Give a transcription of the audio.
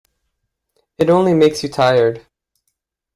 It only makes you tired.